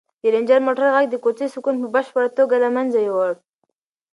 د رنجر موټر غږ د کوڅې سکون په بشپړه توګه له منځه یووړ.